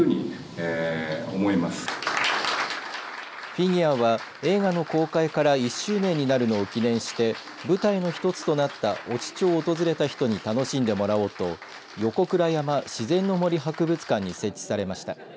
フィギュアは映画の公開から１周年になるのを記念して舞台の１つとなった越知町を訪れた人に楽しんでもらおうと横倉山自然の森博物館に設置されました。